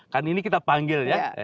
kan ini kita panggil ya